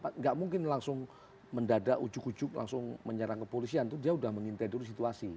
tidak mungkin langsung mendadak ujuk ujuk langsung menyerang kepolisian itu dia sudah mengintai dulu situasi